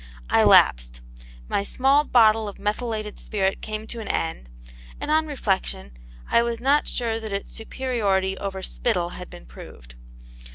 I lapsed. My small bottle of methylated spirit came to an end, and on reflection I was not sure that its superiority over spittle had been proved.